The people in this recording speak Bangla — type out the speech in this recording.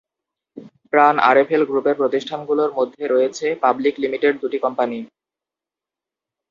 প্রাণ-আরএফএল গ্রুপের প্রতিষ্ঠানগুলোর মধ্যে রয়েছে পাবলিক লিমিটেড দুটি কোম্পানি।